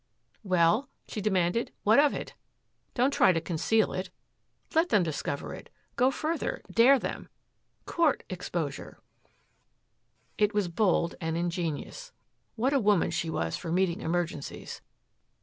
"Well?" she demanded. "What of it? Don't try to conceal it. Let them discover it. Go further. Dare them. Court exposure." It was bold and ingenious. What a woman she was for meeting emergencies.